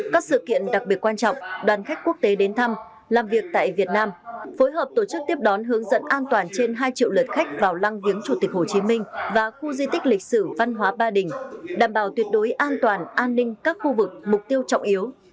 các sự kiện đặc biệt quan trọng đoàn khách quốc tế đến thăm làm việc tại việt nam phối hợp tổ chức tiếp đón hướng dẫn an toàn trên hai triệu lượt khách vào lăng viếng chủ tịch hồ chí minh và khu di tích lịch sử văn hóa ba đình đảm bảo tuyệt đối an toàn an ninh các khu vực mục tiêu trọng yếu